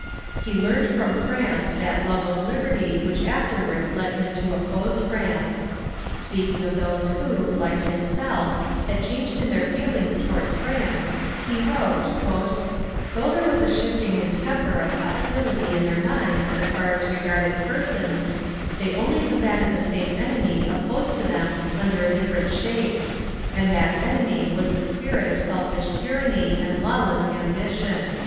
He learned from France that love of liberty which afterwards led him to oppose France. Speaking of those who, like himself, had changed in their feelings towards France, he wrote: Though there was a shifting in temper of hostility in their minds as far as regarded persons, they only combated the same enemy opposed to them under a different shape; and that enemy was the spirit of selfish tyranny and lawless ambition.